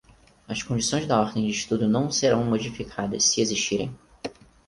As condições da ordem de estudo não serão modificadas, se existirem.